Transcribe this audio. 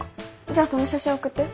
じゃその写真送って。